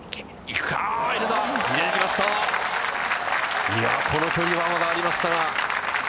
いや、この距離はオーダーありましたが。